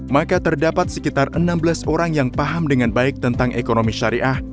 maka terdapat sekitar enam belas orang yang paham dengan baik tentang ekonomi syariah